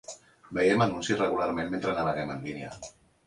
Veiem anuncis regularment mentre naveguem en línia.